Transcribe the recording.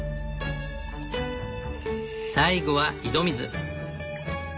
最後は井戸水。